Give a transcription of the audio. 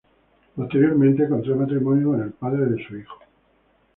Posteriormente contrae matrimonio con el padre de su hijo.